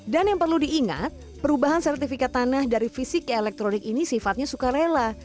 dan yang perlu diingat perubahan sertifikat tanah dari fisik ke elektronik ini sifatnya suka rela